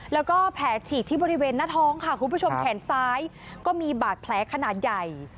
แล้วก็แผลฉีกที่บริเวณหน้าท้องค่ะคุณผู้ชมแขนซ้ายก็มีบาดแผลขนาดใหญ่